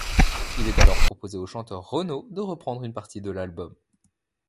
Il est alors proposé au chanteur Renaud de reprendre une partie de l'album.